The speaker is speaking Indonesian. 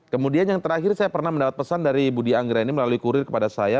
kemudian yang terakhir saya pernah mendapat pesan dari budi anggreni melalui kurir kepada saya